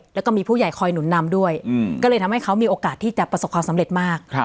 แล้วก็มีผู้ใหญ่คอยหนุนนำด้วยก็เลยทำให้เขามีโอกาสที่จะประสบความสำเร็จมาก